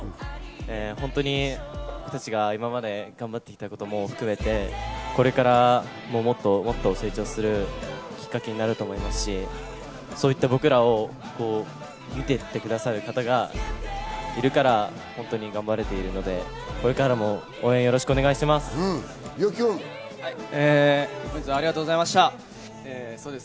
本当に僕たちが今まで頑張ってきたことも含めてこれからももっともっと成長するきっかけになると思いますし、そういった僕らを見ていてくださる方がいるから頑張れると思うのでこれからも応援をよろしくお願いします。